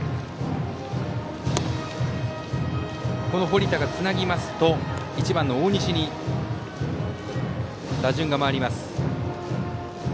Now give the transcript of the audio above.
堀田がつなぎますと１番の大西に打順が回ります。